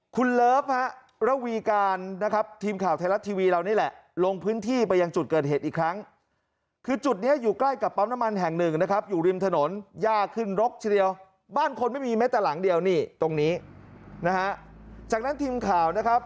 คุณเลิฟฮะระวีการนะครับทีมข่าวไทยรัฐทีวีเรานี่แหละลงพื้นที่ไปยังจุดเกิดเหตุอีกครั้งคือจุดนี้อยู่ใกล้กับปั๊มน้ำมันแห่งหนึ่งนะครับอยู่ริมถนนยากขึ้นรกทีเดียวบ้านคนไม่มีแม้แต่หลังเดียวนี่ตรงนี้นะฮะจากนั้นทีมข่าวนะครับ